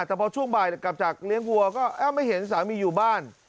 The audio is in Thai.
แต่พอช่วงบ่ายกลับจากเลี้ยงวัวก็ไม่เห็นสามีอยู่บ้าน